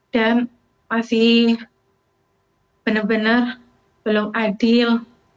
dan masih benar benar belum adil